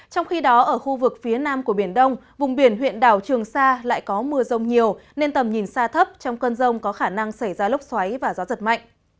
trong khi đó ở khu vực phía nam của biển đông vùng biển huyện đảo trường sa lại có mưa rông nhiều nên tầm nhìn xa thấp trong cơn rông có khả năng xảy ra lốc xoáy và gió giật mạnh